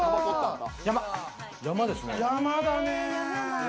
山だねぇ。